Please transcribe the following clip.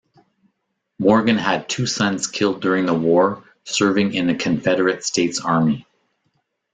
Morgan had two sons killed during the war serving in the Confederate States Army.